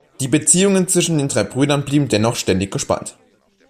Die Beziehungen zwischen den drei Brüdern blieben dennoch ständig gespannt.